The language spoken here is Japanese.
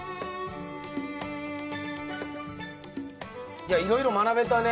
いやいろいろ学べたね。